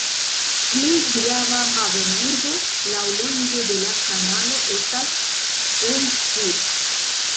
Plej grava havenurbo laŭlonge de la kanalo estas Rendsburg.